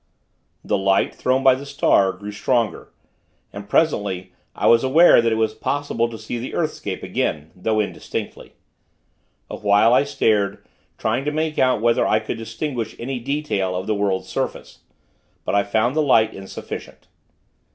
The light, thrown by the star, grew stronger; and, presently, I was aware that it was possible to see the earthscape again; though indistinctly. Awhile, I stared, trying to make out whether I could distinguish any detail of the world's surface, but I found the light insufficient.